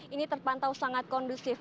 ini terpantau sangat kondusif